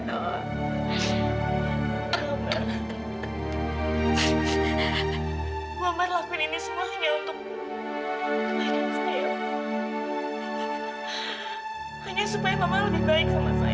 hanya supaya mama lebih baik sama saya